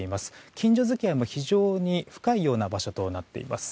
近所づきあいも非常に深いような場所となっています。